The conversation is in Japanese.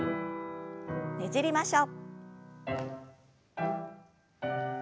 ねじりましょう。